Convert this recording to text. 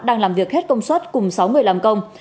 đang làm việc hết công suất cùng sáu người làm công